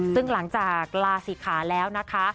ซึ่งหลังจากลาศิกขาแล้วนะคะ